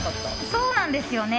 そうなんですよね。